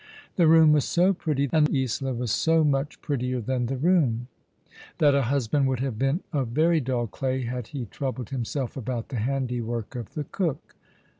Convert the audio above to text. The room was so pretty, and Isola was so much prettier than the room, that a husband would have been of very dull clay had he troubled himself about the handiwork of the cook.